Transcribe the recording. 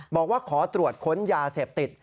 บอกว่าขอตรวจค้นยาเสพติด